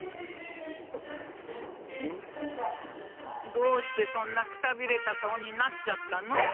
ん？どうしてそんなくたびれた顔になっちゃったの？